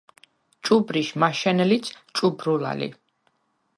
ჭუბრიშ მაშენ ლიც ჭუბრულა ლი.